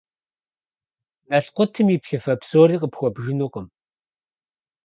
Налкъутым и плъыфэ псори къыпхуэбжынукъым.